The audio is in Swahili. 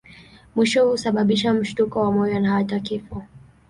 Mwishowe husababisha mshtuko wa moyo na hata kifo.